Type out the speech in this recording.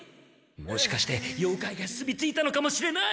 もしかして妖怪が住みついたのかもしれない！